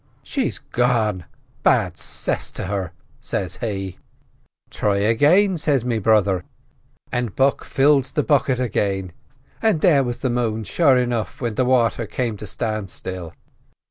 "'She's gone, bad 'cess to her!' says he. "'Try again,' says me brother, and Buck fills the bucket again, and there was the moon sure enough when the water came to stand still.